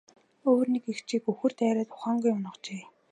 Өөр нэг эгчийг үхэр дайраад ухаангүй унагажээ.